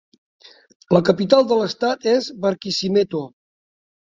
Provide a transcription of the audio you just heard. La capital de l'estat és Barquisimeto.